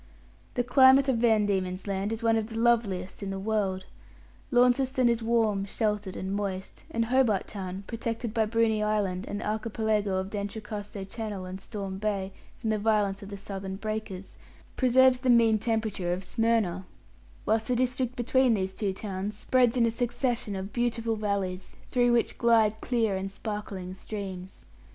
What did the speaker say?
The climate of Van Diemen's Land is one of the loveliest in the world. Launceston is warm, sheltered, and moist; and Hobart Town, protected by Bruny Island and its archipelago of D'Entrecasteaux Channel and Storm Bay from the violence of the southern breakers, preserves the mean temperature of Smyrna; whilst the district between these two towns spreads in a succession of beautiful valleys, through which glide clear and sparkling streams.